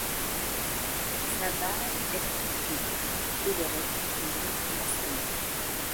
Sa base est en pierre de taille et le reste en brique maçonnée.